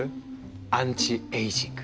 アンチエイジング。